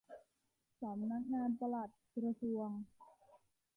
สำนักงานปลัดกระทรวง